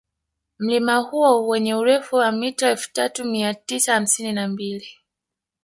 Mlima huo wenye urefu wa mita elfu tatu mia tisa hamsini na mbili